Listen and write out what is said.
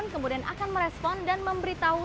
apakah penyedia layanan anda akan merespon dan memberi tahu